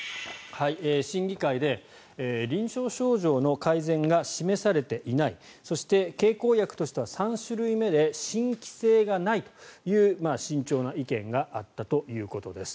審議会で臨床症状の改善が示されていないそして経口薬としては３種類目で新規性がないという慎重な意見があったということです。